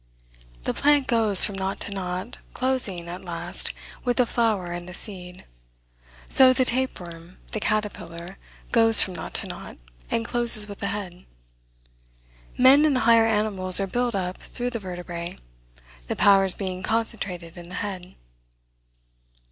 "The plant goes from knot to knot, closing, at last, with the flower and the seed. So the tape worm, the caterpillar, goes from knot to knot, and closes with the head. Men and the higher animals are built up through the vertebrae, the powers being concentrated in the head."